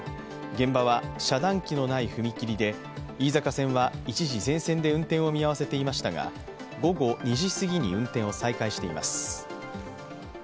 現場は遮断機のない踏切で飯坂線は一時、全線で運転を見合わせていましたが、午後２時すぎに運転を再開しています。